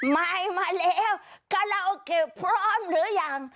ไมค์มาแล้วคาลาโอเคพร้อมหรือยัง